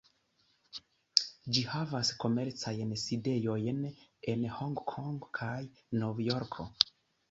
Ĝi havas komercajn sidejojn en Hong-Kong kaj Novjorko.